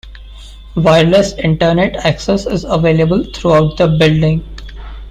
Wireless Internet access is available throughout the building.